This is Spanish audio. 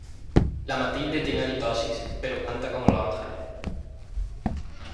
La Matilde tiene halitosis, pero canta como los ángeles.